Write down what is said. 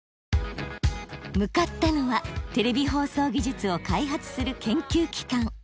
向かったのはテレビ放送技術を開発する研究機関。